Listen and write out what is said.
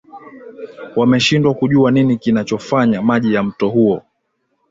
wameshindwa kujua nini kinachofanya maji ya mto huo